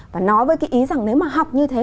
và nói với cái ý rằng nếu mà học như thế